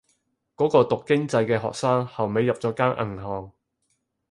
嗰個讀經濟嘅學生後尾入咗間銀行